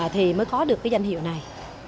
thì mới có được cái danh hiệu này